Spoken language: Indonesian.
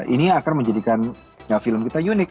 ini akan menjadikan film kita unik